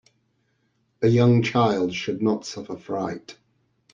A young child should not suffer fright.